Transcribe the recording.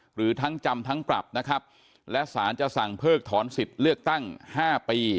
หรือทั้งจำทั้งปรับนะครับและสารจะสั่งเพิกถอนสิทธิ์เลือกตั้ง๕ปี